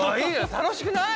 楽しくない？